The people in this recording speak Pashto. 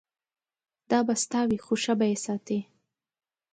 دا به ستا وي خو ښه به یې ساتې.